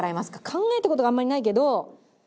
考えた事があんまりないけど。